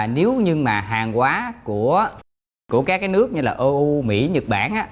nếu như mà hàng quá của của các cái nước như là eu mỹ nhật bản á